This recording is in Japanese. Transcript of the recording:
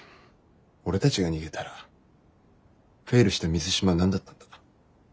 俺たちが逃げたらフェイルした水島は何だったんだ。